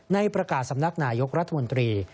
ในประกาศสำนักนายกรัฐมนตรี